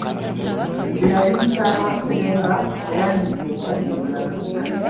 Eyali mukyala wa Sseremba ayanjudde omusajja omulala.